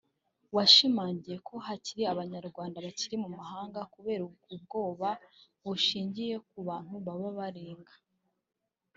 washimangiye ko hakiri Abanyarwanda bakiri mu mahanga kubera “ubwoba bushingiye ku bantu ba baringa”